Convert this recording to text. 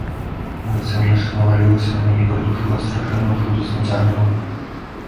Быццам нешта навалілася на мяне, прыдушыла страшэнным, жудасным цяжарам.